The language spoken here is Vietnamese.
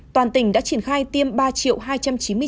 toàn tỉnh có hai mươi chín sáu trăm ba mươi ba f đang điều trị quản lý